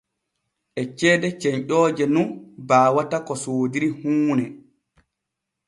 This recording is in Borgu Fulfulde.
E ceede cenƴooje nun baawata ko soodiri huune.